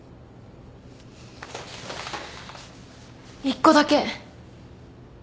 一個だけ。